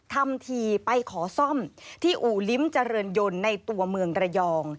ทำทีไปขอซ่อมที่อู่ลิ้มเจริญยนต์ในตัวเมืองระยอง